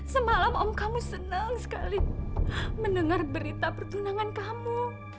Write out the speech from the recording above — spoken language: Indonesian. semalam om kamu senang sekali mendengar berita pertunangan kamu